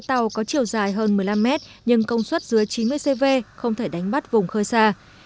theo quy định tàu phải đánh bắt vùng khơi xa